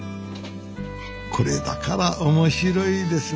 これだから面白いですな